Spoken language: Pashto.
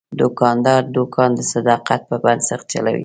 دوکاندار دوکان د صداقت په بنسټ چلوي.